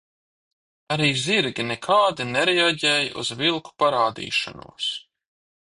Arī zirgi nekādi nereaģēja uz vilku parādīšanos.